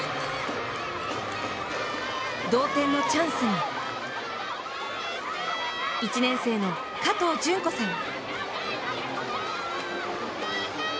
同点のチャンスに１年生の加藤絢子さん。